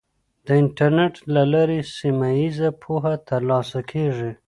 د انټرنیټ له لارې سیمه ییزه پوهه ترلاسه کیږي.